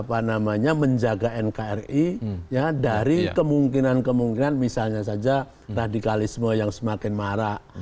apa namanya menjaga nkri ya dari kemungkinan kemungkinan misalnya saja radikalisme yang semakin marak